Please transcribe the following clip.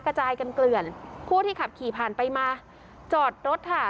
กระจายกันเกลื่อนผู้ที่ขับขี่ผ่านไปมาจอดรถค่ะ